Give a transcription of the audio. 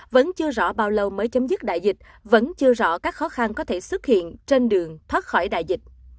vẫn chưa rõ bao lâu mới chấm dứt đại dịch vẫn chưa rõ các khó khăn có thể xuất hiện trên đường thoát khỏi đại dịch